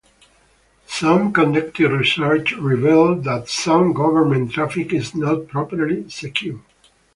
Some conducted research revealed that some government traffic is not properly secured.